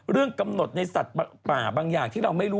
กำหนดในสัตว์ป่าบางอย่างที่เราไม่รู้